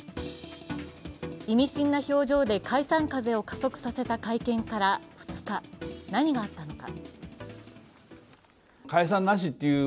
意味深な表情で解散風を加速させた会見から２日、何があったのか。